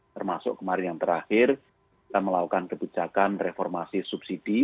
termasuk kemarin yang terakhir kita melakukan kebijakan reformasi subsidi